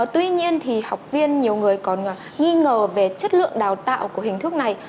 tuy nhiên học viên nhiều người còn nghi ngờ về chất lượng đào tạo của hình thức này